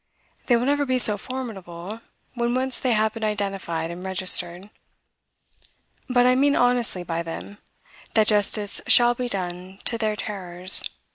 They will never be so formidable, when once they have been identified and registered. But I mean honestly by them that justice shall be done to their terrors.